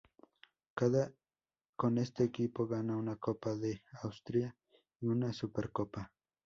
Con este equipo gana una Copa de Austria y una Supercopa.